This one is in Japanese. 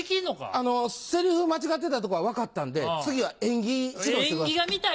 あのセリフ間違ってたとこは分かったんで次は演技指導してください。